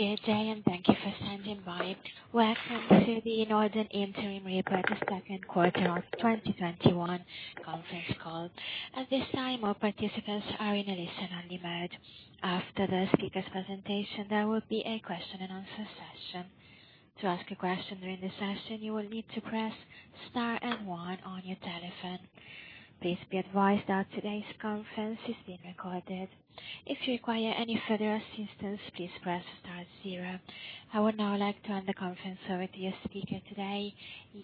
Good day and thank you for standing by. Welcome to the Norden Interim Report, the second quarter of 2021 conference call. At this time, all participants are in a listen-only mode. After the speaker's presentation, there will be a question-and-answer session. To ask a question during the session, you will need to press star and one on your telephone. Please be advised that today's conference is being recorded. If you require any further assistance, please press star zero. I would now like to hand the conference over to your speaker today,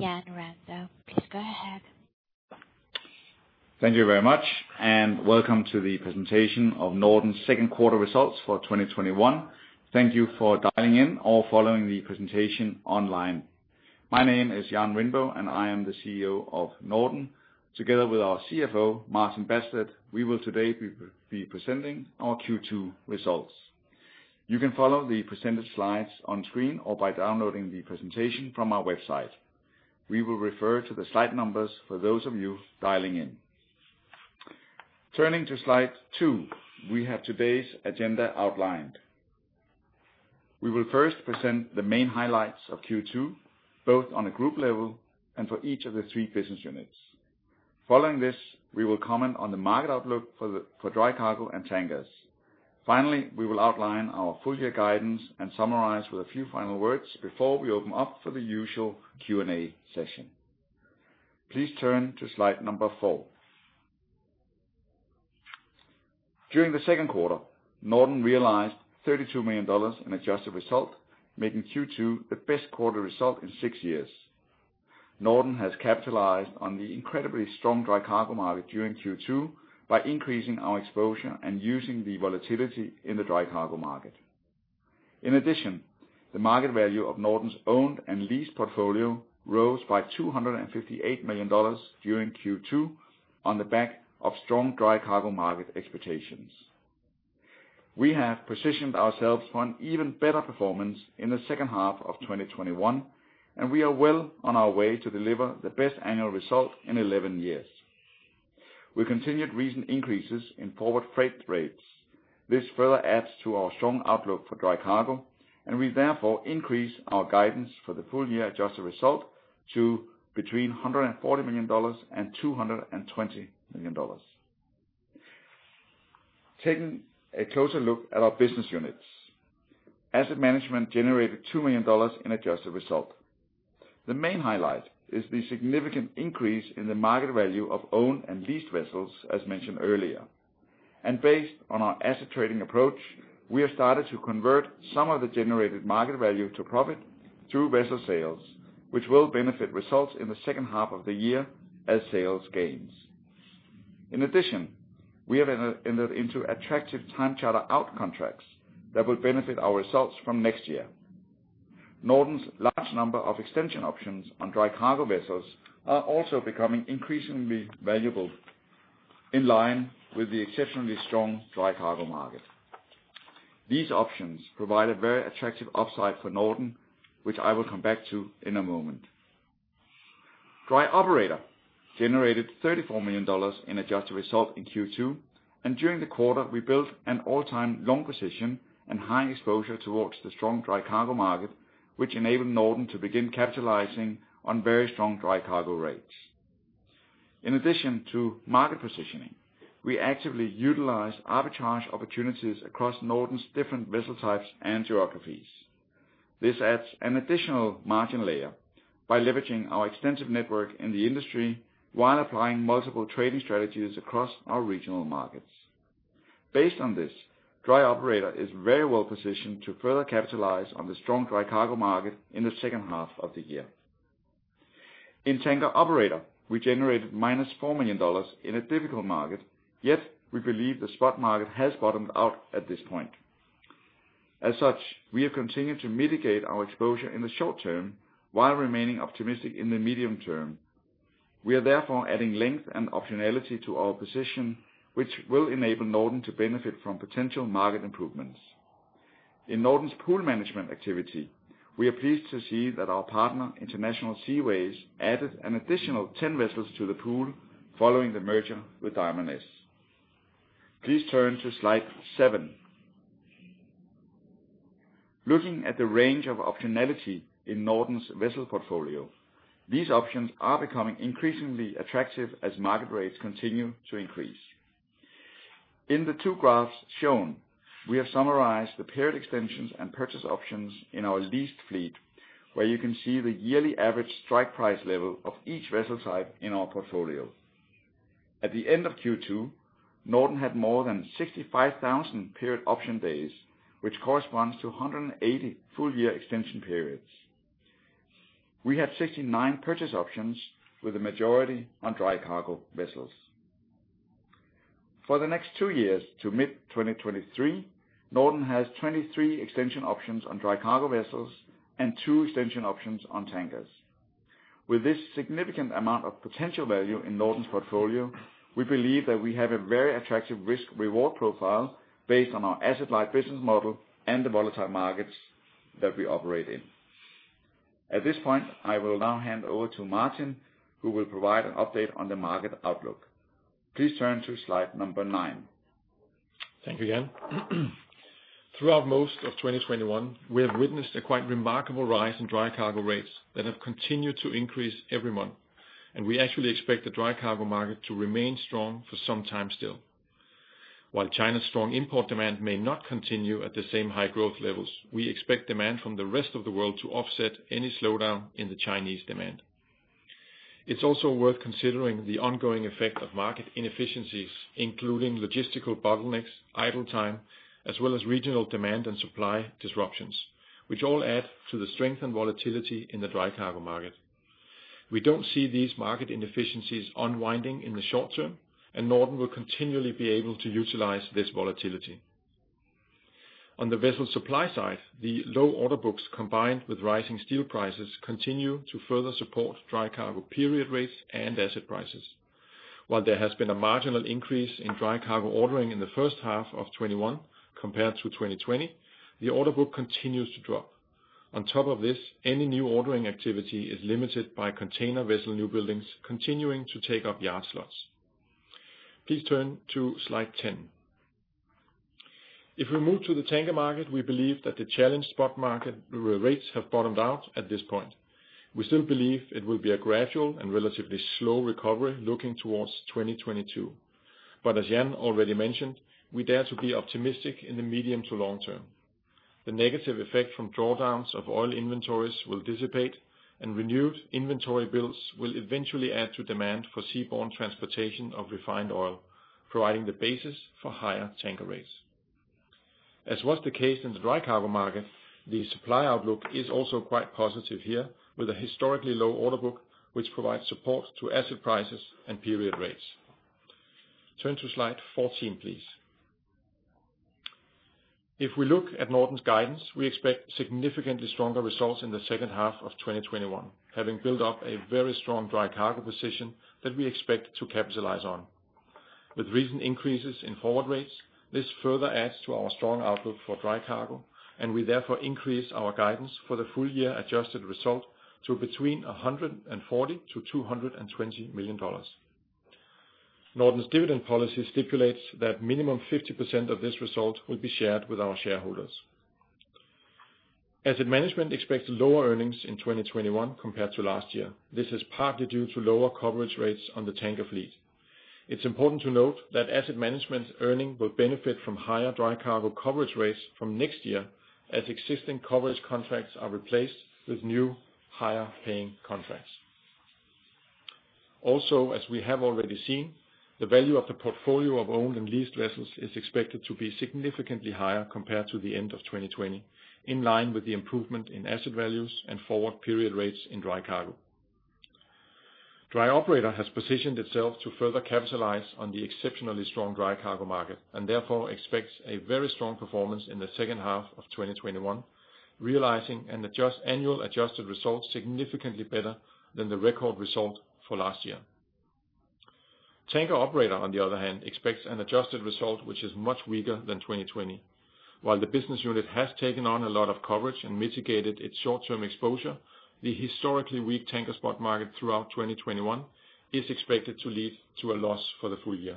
Jan Rindbo. Please go ahead. Thank you very much and welcome to the presentation of Norden's second quarter results for 2021. Thank you for dialing in or following the presentation online. My name is Jan Rindbo, and I am the CEO of Norden. Together with our CFO, Martin Badsted, we will today be presenting our Q2 results. You can follow the presented slides on screen or by downloading the presentation from our website. We will refer to the slide numbers for those of you dialing in. Turning to slide two, we have today's agenda outlined. We will first present the main highlights of Q2, both on a group level and for each of the three business units. Following this, we will comment on the market outlook for dry cargo and tankers. Finally, we will outline our full year guidance and summarize with a few final words before we open up for the usual Q&A session. Please turn to slide number four. During the second quarter, Norden realized $32 million in adjusted result, making Q2 the best quarter result in six years. Norden has capitalized on the incredibly strong dry cargo market during Q2 by increasing our exposure and using the volatility in the dry cargo market. In addition, the market value of Norden's owned and leased portfolio rose by $258 million during Q2 on the back of strong dry cargo market expectations. We have positioned ourselves for an even better performance in the second half of 2021, and we are well on our way to deliver the best annual result in 11 years. We continued recent increases in forward freight rates. This further adds to our strong outlook for dry cargo, and we therefore increase our guidance for the full year adjusted result to between $140 million and $220 million. Taking a closer look at our business units. Asset Management generated $2 million in adjusted result. The main highlight is the significant increase in the market value of owned and leased vessels, as mentioned earlier. Based on our asset trading approach, we have started to convert some of the generated market value to profit through vessel sales, which will benefit results in the second half of the year as sales gains. In addition, we have entered into attractive time charter out contracts that will benefit our results from next year. Norden's large number of extension options on dry cargo vessels are also becoming increasingly valuable in line with the exceptionally strong dry cargo market. These options provide a very attractive upside for Norden, which I will come back to in a moment. Dry Operator generated $34 million in adjusted result in Q2. During the quarter, we built an all-time long position and high exposure towards the strong dry cargo market, which enabled Norden to begin capitalizing on very strong dry cargo rates. In addition to market positioning, we actively utilize arbitrage opportunities across Norden's different vessel types and geographies. This adds an additional margin layer by leveraging our extensive network in the industry while applying multiple trading strategies across our regional markets. Based on this, Dry Operator is very well positioned to further capitalize on the strong dry cargo market in the second half of the year. In Tanker Operator, we generated minus $4 million in a difficult market, yet we believe the spot market has bottomed out at this point. As such, we have continued to mitigate our exposure in the short term while remaining optimistic in the medium term. We are therefore adding length and optionality to our position, which will enable Norden to benefit from potential market improvements. In Norden's pool management activity, we are pleased to see that our partner, International Seaways, added an additional 10 vessels to the pool following the merger with Diamond S. Please turn to slide seven. Looking at the range of optionality in Norden's vessel portfolio, these options are becoming increasingly attractive as market rates continue to increase. In the two graphs shown, we have summarized the period extensions and purchase options in our leased fleet, where you can see the yearly average strike price level of each vessel type in our portfolio. At the end of Q2, Norden had more than 65,000 period option days, which corresponds to 180 full year extension periods. We had 69 purchase options, with the majority on dry cargo vessels. For the next two years to mid-2023, Norden has 23 extension options on dry cargo vessels and two extension options on tankers. With this significant amount of potential value in Norden's portfolio, we believe that we have a very attractive risk/reward profile based on our asset-light business model and the volatile markets that we operate in. At this point, I will now hand over to Martin, who will provide an update on the market outlook. Please turn to slide number nine. Thank you, Jan. Throughout most of 2021, we have witnessed a quite remarkable rise in dry cargo rates that have continued to increase every month, and we actually expect the dry cargo market to remain strong for some time still. While China's strong import demand may not continue at the same high growth levels, we expect demand from the rest of the world to offset any slowdown in the Chinese demand. It's also worth considering the ongoing effect of market inefficiencies, including logistical bottlenecks, idle time, as well as regional demand and supply disruptions, which all add to the strength and volatility in the dry cargo market. We don't see these market inefficiencies unwinding in the short term, and Norden will continually be able to utilize this volatility. On the vessel supply side, the low order books combined with rising steel prices continue to further support dry cargo period rates and asset prices. There has been a marginal increase in dry cargo ordering in the first half of 2021 compared to 2020, the order book continues to drop. On top of this, any new ordering activity is limited by container vessel new buildings continuing to take up yard slots. Please turn to slide 10. If we move to the tanker market, we believe that the challenged spot market where rates have bottomed out at this point. We still believe it will be a gradual and relatively slow recovery looking towards 2022. As Jan already mentioned, we dare to be optimistic in the medium to long term. The negative effect from drawdowns of oil inventories will dissipate and renewed inventory builds will eventually add to demand for seaborne transportation of refined oil, providing the basis for higher tanker rates. As was the case in the dry cargo market, the supply outlook is also quite positive here, with a historically low order book, which provides support to asset prices and period rates. Turn to slide 14, please. If we look at Norden's guidance, we expect significantly stronger results in the second half of 2021, having built up a very strong dry cargo position that we expect to capitalize on. With recent increases in forward rates, this further adds to our strong outlook for dry cargo, and we therefore increase our guidance for the full year adjusted result to between $140 million-$220 million. Norden's dividend policy stipulates that minimum 50% of this result will be shared with our shareholders. Asset Management expects lower earnings in 2021 compared to last year. This is partly due to lower coverage rates on the tanker fleet. It's important to note that Asset Management earning will benefit from higher dry cargo coverage rates from next year as existing coverage contracts are replaced with new, higher paying contracts. Also, as we have already seen, the value of the portfolio of owned and leased vessels is expected to be significantly higher compared to the end of 2020, in line with the improvement in asset values and forward period rates in dry cargo. Dry Operator has positioned itself to further capitalize on the exceptionally strong dry cargo market and therefore expects a very strong performance in the second half of 2021, realizing an annual adjusted result significantly better than the record result for last year. Tanker Operator, on the other hand, expects an adjusted result which is much weaker than 2020. While the business unit has taken on a lot of coverage and mitigated its short-term exposure, the historically weak tanker spot market throughout 2021 is expected to lead to a loss for the full year.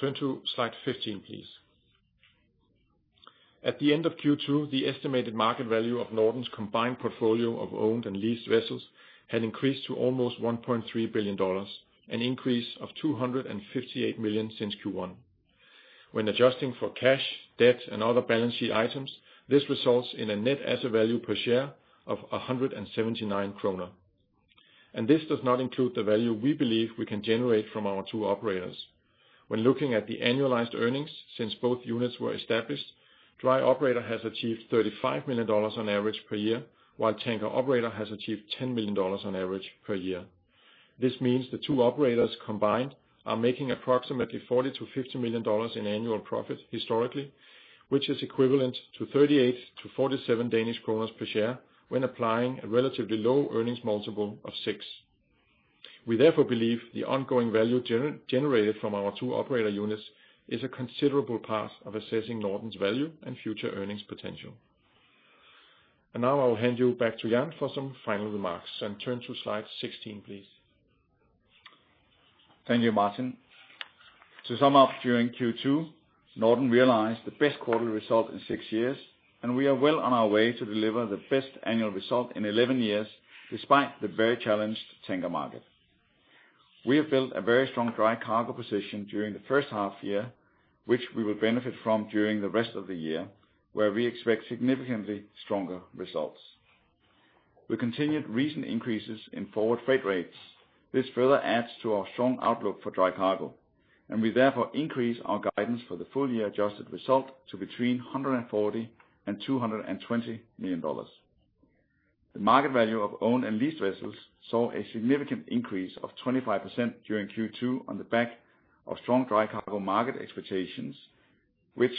Turn to slide 15, please. At the end of Q2, the estimated market value of Norden's combined portfolio of owned and leased vessels had increased to almost $1.3 billion, an increase of $258 million since Q1. When adjusting for cash, debt, and other balance sheet items, this results in a net asset value per share of 179 kroner. This does not include the value we believe we can generate from our two operators. When looking at the annualized earnings since both units were established, Dry Operator has achieved $35 million on average per year, while Tanker Operator has achieved $10 million on average per year. This means the two operators combined are making approximately $40 million-$50 million in annual profit historically, which is equivalent to 38-47 Danish kroner per share when applying a relatively low earnings multiple of six. We therefore believe the ongoing value generated from our two operator units is a considerable part of assessing Norden's value and future earnings potential. Now I'll hand you back to Jan for some final remarks and turn to slide 16, please. Thank you, Martin. To sum up, during Q2, Norden realized the best quarterly result in six years, and we are well on our way to deliver the best annual result in 11 years, despite the very challenged tanker market. We have built a very strong dry cargo position during the first half year, which we will benefit from during the rest of the year, where we expect significantly stronger results. We continued recent increases in forward freight rates. This further adds to our strong outlook for dry cargo, and we therefore increase our guidance for the full year adjusted result to between $140 million and $220 million. The market value of owned and leased vessels saw a significant increase of 25% during Q2 on the back of strong dry cargo market expectations, which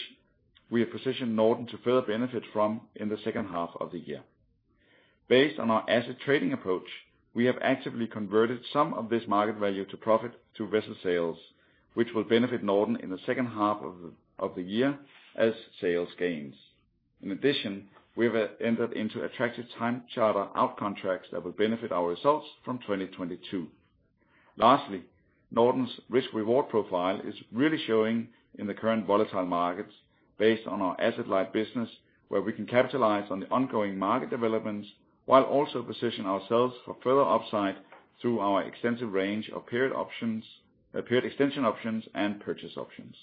we have positioned Norden to further benefit from in the second half of the year. Based on our asset trading approach. We have actively converted some of this market value to profit to vessel sales, which will benefit Norden in the second half of the year as sales gains. In addition, we have entered into attractive time charter out contracts that will benefit our results from 2022. Lastly, Norden's risk-reward profile is really showing in the current volatile markets based on our asset-light business, where we can capitalize on the ongoing market developments while also position ourselves for further upside through our extensive range of period extension options and purchase options.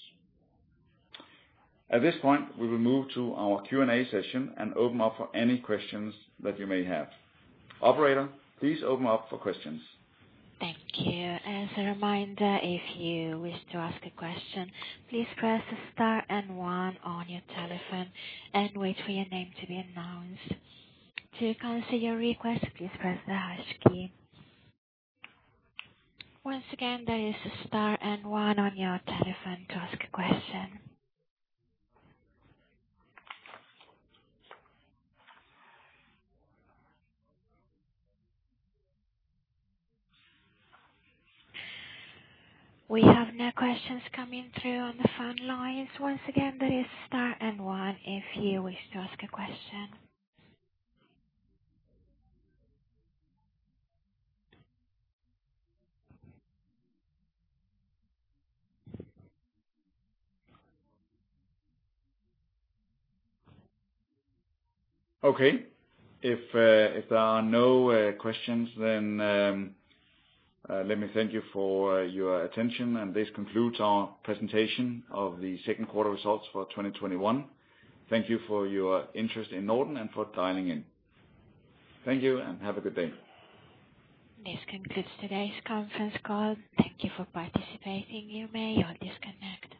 At this point, we will move to our Q&A session and open up for any questions that you may have. Operator, please open up for questions. Thank you. As a reminder, if you wish to ask a question, please press star and one on your telephone and wait for your name to be announced. To cancel your request, please press the hash key. Once again, that is star and one on your telephone to ask a question. We have no questions coming through on the phone lines. Once again, that is star and one if you wish to ask a question. Okay. If there are no questions, then let me thank you for your attention. This concludes our presentation of the second quarter results for 2021. Thank you for your interest in Norden and for dialing in. Thank you, and have a good day. This concludes today's conference call. Thank you for participating. You may all disconnect.